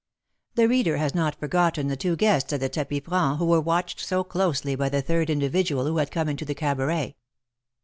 The reader has not forgotten the two guests at the tapis franc who were watched so closely by the third individual who had come into the cabaret.